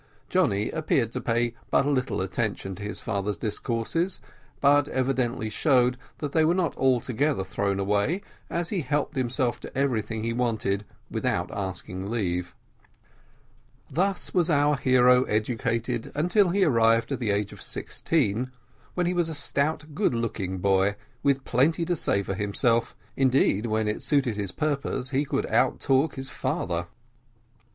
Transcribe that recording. Johnny appeared to pay but little attention to his father's discourses, but evidently showed that they were not altogether thrown away, as he helped himself to everything he wanted, without asking leave. And thus was our hero educated until he arrived at the age of sixteen, when he was a stout, good looking boy, with plenty to say for himself, indeed, when it suited his purpose, he could outtalk his father.